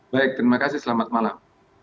baik terima kasih selamat malam